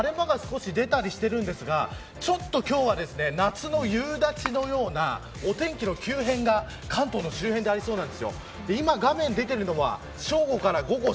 今日は晴れ間が少し出たりしていますがちょっと今日は夏の夕立のようなお天気の急変が関東の周辺でありそうです。